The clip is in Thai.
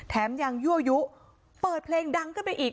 แถมยังยั่วยุเปิดเพลงดังขึ้นไปอีก